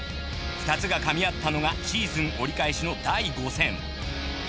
２つが噛み合ったのがシーズン折り返しの第５戦。